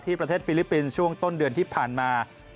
ประเทศฟิลิปปินส์ช่วงต้นเดือนที่ผ่านมา